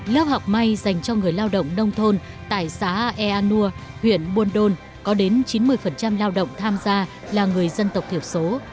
lớp học may dành cho người lao động nông thôn tại xã eanua huyện buôn đôn có đến chín mươi lao động tham gia là người dân tộc thiểu số